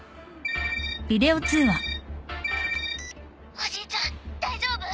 おじいちゃん大丈夫？